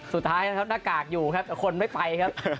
สุดท้ายหน้ากากอยู่แต่คนไม่ไปครับ